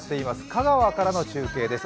香川からの中継です。